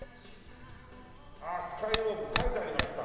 ああスカイウォーク書いてありました。